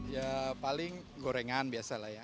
ya paling gorengan biasa lah ya